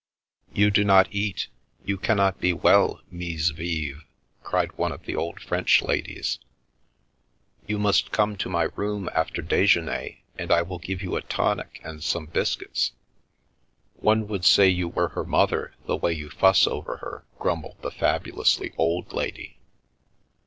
" You do not eat, you cannot be well, Mees Veev," cried one of the old French ladies. " You must come to my room after dejeuner, and I will give you a tonic and some biscuits." " One would say you were her mother, the way you fuss over her I " grumbled the fabulously old lady.